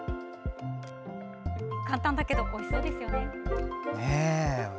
簡単だけどおいしそうですよね。